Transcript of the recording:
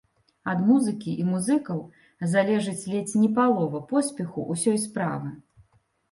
Ад музыкі і музыкаў залежыць ледзь не палова поспеху ўсёй справы!